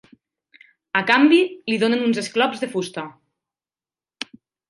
A canvi, li donen uns esclops de fusta.